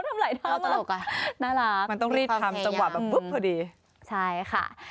ถ้าอะไรนะตลกอะน่ารักมันต้องรีบทำสมบัติแบบปุ๊บพอดีมันต้องทำหลายทาง